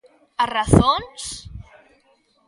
¿As razóns?